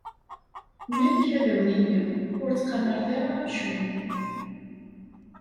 Nekk, ad wen-iniɣ: Ur ttqamaret ara amcum.